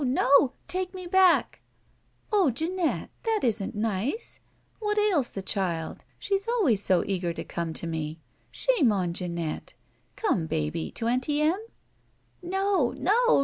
No! Take me back." "Oh, Jeanette, that isn't nice! What ails the child? She's always so eager to come to me. Shame on Jeanette! Come, baby, to Aunty Em?" "No! No!